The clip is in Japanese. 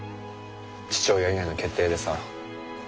父親いないの決定でさ。